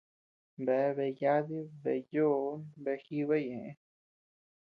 Beaa bea yaadí, bea yoo, bea jiiba ñëʼe.